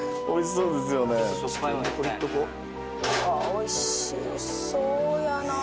おいしそうやな。